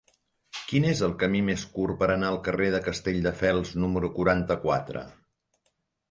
Quin és el camí més curt per anar al carrer de Castelldefels número quaranta-quatre?